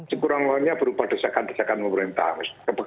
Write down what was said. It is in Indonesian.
sekurang kurangnya berupa desakan desakan pemerintah